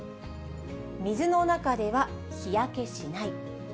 水の中では日焼けしない。